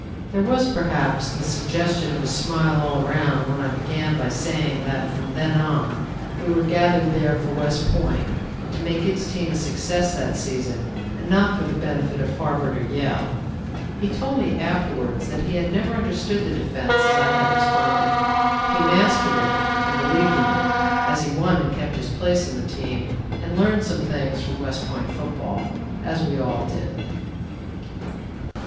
There was, perhaps, the suggestion of a smile all around when I began by saying that from then on we were gathered there for West Point and to make its team a success that season and not for the benefit of Harvard or Yale. He told me afterwards that he had never understood the defense as I had explained it. He mastered it and believed in it, as he won and kept his place on the team and learned some things from West Point football, as we all did.